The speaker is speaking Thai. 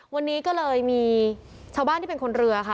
วันนี้ก็เลยมีชาวบ้านที่เป็นคนเรือค่ะ